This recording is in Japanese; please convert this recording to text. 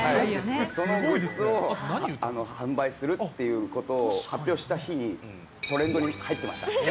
そのグッズを販売するっていうことを発表した日に、トレンドに入ってました。